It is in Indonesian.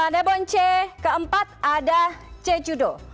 sebonche keempat ada jeju do